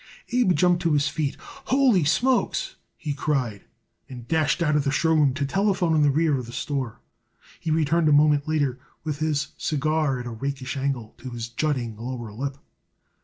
Abe jumped to his feet. "Ho ly smokes!" he cried and dashed out of the show room to the telephone in the rear of the store. He returned a moment later with his cigar at a rakish angle to his jutting lower lip.